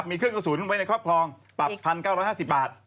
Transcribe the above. มีเครื่องกระสุนไว้ในครอบครองปรับ๑๙๕๐บาท